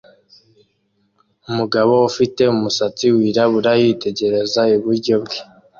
Umugabo ufite umusatsi wirabura yitegereza iburyo bwe